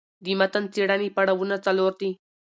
د متن څېړني پړاوونه څلور دي.